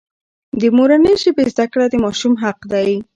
د مورنۍ ژبې زده کړه د ماشوم حق دی.